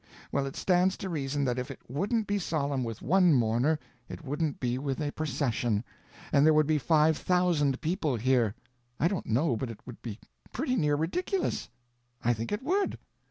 Well, it stands to reason that if it wouldn't be solemn with one mourner, it wouldn't be with a procession—and there would be five thousand people here. I don't know but it would be pretty near ridiculous; I think it would.